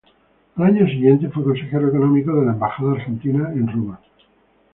Al año siguiente fue consejero económico de la embajada argentina en Roma.